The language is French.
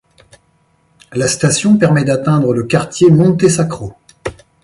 La station permet d'atteindre le quartier Monte Sacro.